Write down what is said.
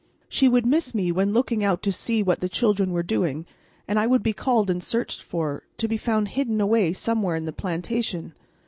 She would miss me when looking out to see what the children were doing, and I would be called and searched for, to be found hidden away somewhere in the plantation.